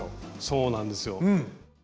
そうなんですよ。